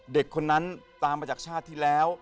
เด็กคนนั้นตามมาจากชาติที่แล้ว